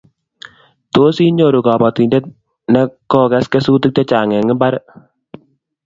Tos inyoru kabatindet ko kakoges kesutik chechang eng mbar